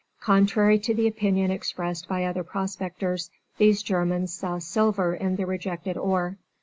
Contrary to the opinion expressed by other prospectors, these Germans saw silver in the rejected ore.